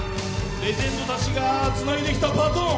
レジェンドたちがつないできたバトン。